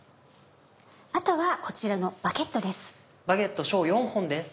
あとはこちらのバゲットです。